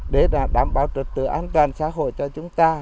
để đảm bảo trật tự an toàn xã hội cho chúng ta